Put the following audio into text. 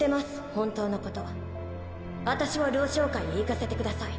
本当のこと私を「ルオ商会」へ行かせてください